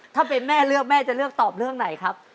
ถ้าเป็นแม่เลือกแม่จะเลือกตอบเรื่องไหนครับ